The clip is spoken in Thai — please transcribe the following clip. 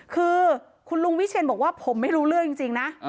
คือคุณลุงวิเชียนบอกว่าผมไม่รู้เรื่องจริงนะ